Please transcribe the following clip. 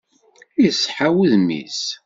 Iseḥḥa wudem-is.